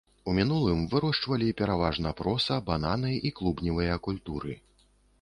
У мінулым вырошчвалі пераважна проса, бананы і клубневыя культуры.